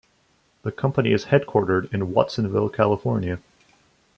The company is headquartered in Watsonville, California.